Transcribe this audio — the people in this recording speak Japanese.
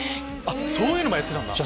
⁉そういうのもやってたんだ！